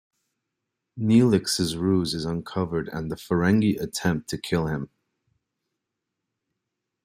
Neelix's ruse is uncovered and the Ferengi attempt to kill him.